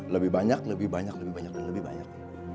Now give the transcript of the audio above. lebih banyak lebih banyak lebih banyak dan lebih banyak